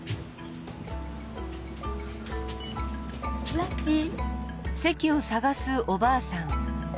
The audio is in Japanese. ラッキー！